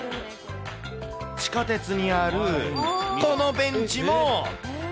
地下鉄にあるこのベンチも。